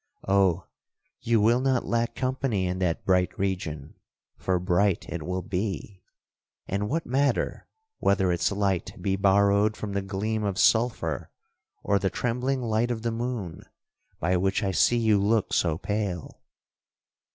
Oh! you will not lack company in that bright region, for bright it will be!—and what matter whether its light be borrowed from the gleam of sulphur, or the trembling light of the moon, by which I see you look so pale?'